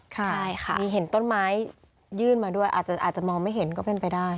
ใช่ค่ะมีเห็นต้นไม้ยื่นมาด้วยอาจจะมองไม่เห็นก็เป็นไปได้